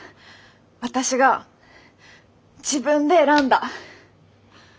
私が自分で選んだ。